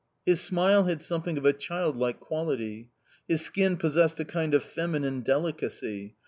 His smile had something of a child like quality. His skin possessed a kind of feminine delicacy.